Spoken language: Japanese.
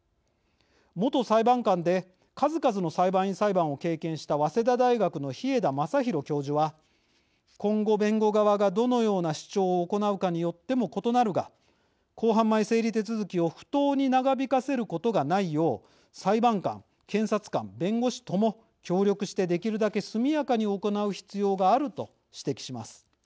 元裁判官で数々の裁判員裁判を経験した早稲田大学の稗田雅洋教授は「今後、弁護側がどのような主張を行うかによっても異なるが公判前整理手続きを不当に長引かせることがないよう裁判官、検察官弁護士とも協力してできるだけ速やかに行う必要がある」と指摘します。